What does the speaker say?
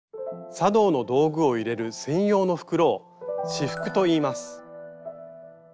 茶道の道具を入れる専用の袋を「仕覆」といいます。